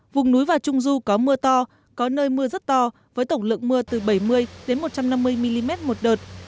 vùng núi và trung du có mưa to có nơi mưa rất to với tổng lượng mưa từ bảy mươi một trăm năm mươi mm một đợt